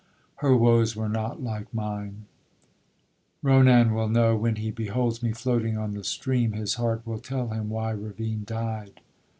—Her woes were not like mine! —Ronan will know; When he beholds me floating on the stream, His heart will tell him why Rivine died!